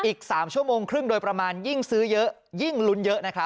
อีก๓ชั่วโมงครึ่งโดยประมาณยิ่งซื้อเยอะยิ่งลุ้นเยอะนะคะ